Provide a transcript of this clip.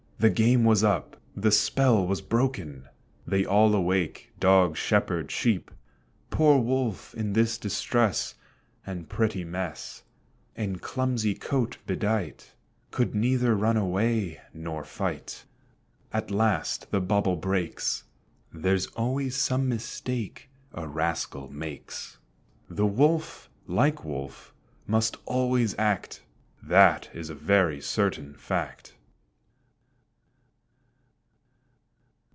The game was up the spell was broken! They all awake, dog, Shepherd, sheep. Poor Wolf, in this distress And pretty mess, In clumsy coat bedight, Could neither run away nor fight. At last the bubble breaks; There's always some mistake a rascal makes. The Wolf like Wolf must always act; That is a very certain fact.